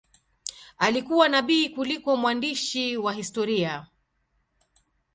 Alikuwa nabii kuliko mwandishi wa historia.